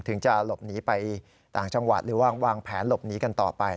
จะหลบหนีไปต่างจังหวัดหรือวางแผนหลบหนีกันต่อไป